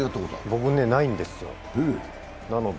僕ないんですよ、なので。